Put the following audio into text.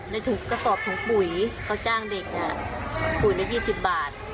ได้ถุกกระสอบถุงปุ๋ยเขาจ้างเด็กน่ะปุ๋ยละยี่สิบบาท